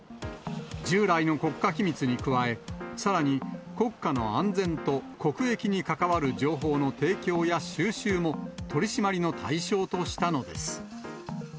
従来の国家機密に加え、さらに国家の安全と国益に関わる情報の提供や収集も取締りの対象としたのです。